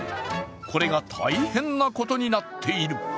これが大変なことになっている。